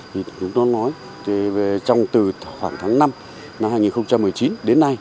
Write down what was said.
thì chúng tôi nói về trong từ khoảng tháng năm năm hai nghìn một mươi chín đến nay